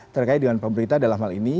terkait dengan pemerintah dalam hal ini